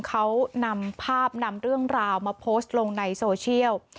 เขานำภาพนำเรื่องราวมาโพสต์ลงในโซเชียล